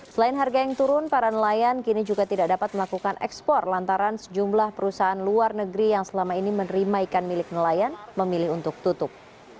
selain harga yang turun para nelayan kini juga tidak dapat melakukan ekspor lantaran sejumlah perusahaan luar negeri yang selama ini menerima ikan milik nelayan memilih untuk tutup